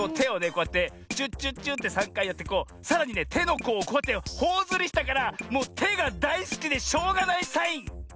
こうやってチュッチュッチュッて３かいやってこうさらにねてのこうをこうやってほおずりしたからもうてがだいすきでしょうがないサイン！